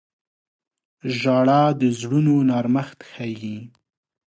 • ژړا د زړونو نرمښت ښيي.